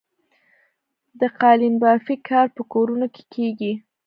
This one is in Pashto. د قالینبافۍ کار په کورونو کې کیږي؟